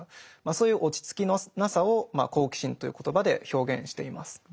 そういう落ち着きのなさを「好奇心」という言葉で表現しています。